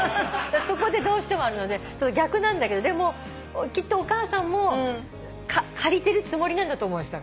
そこでどうしてもあるので逆なんだけどでもきっとお母さんも借りてるつもりなんだと思います。